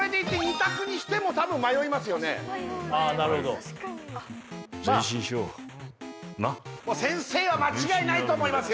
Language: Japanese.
確かになっ先生は間違いないと思いますよ